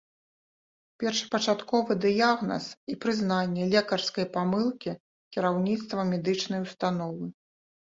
Першапачатковы дыягназ і прызнанне лекарскай памылкі кіраўніцтвам медычнай установы.